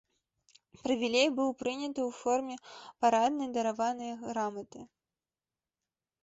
Прывілей быў прыняты ў форме параднай дараванай граматы.